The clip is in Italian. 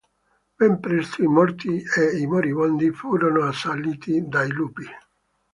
Ben presto i morti e i moribondi furono assaliti dai lupi.